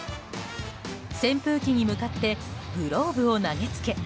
扇風機に向かってグローブを投げつけ